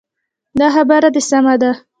دا خبره دې سمه ده.